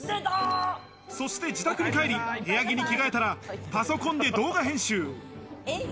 そして自宅に帰り、部屋着に着替えたらパソコンで動画編集。